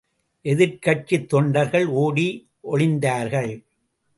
எதிர்க்கட்சித் தொண்டர்கள் ஓடி ஒளிந்தார்கள்.